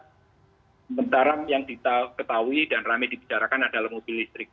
sementara yang kita ketahui dan ramai dibicarakan adalah mobil listrik